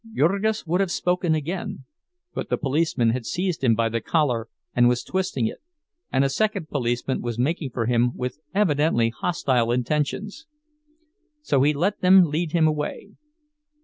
Jurgis would have spoken again, but the policeman had seized him by the collar and was twisting it, and a second policeman was making for him with evidently hostile intentions. So he let them lead him away.